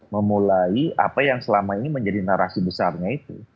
memulai apa yang selama ini menjadi narasi besarnya itu